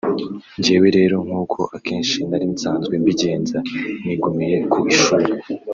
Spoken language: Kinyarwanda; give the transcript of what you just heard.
Jyewe rero nk’uko akenshi nari nsanzwe mbigenza nigumiye ku ishuli